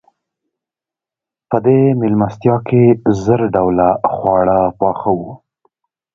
په دې مېلمستیا کې زر ډوله خواړه پاخه وو.